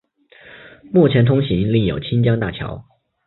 目前通行另有清江大桥。